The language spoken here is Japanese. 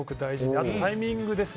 あとタイミングですね。